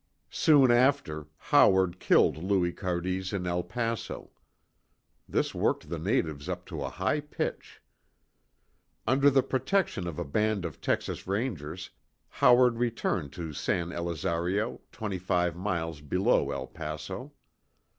Soon after, Howard killed Louis Cardis in El Paso. This worked the natives up to a high pitch. Under the protection of a band of Texas Rangers, Howard returned to San Elizario, twenty five miles below El Paso.